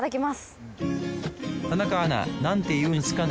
田中アナ何て言うんすかね？